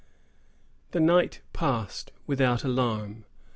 The night passed without alarm.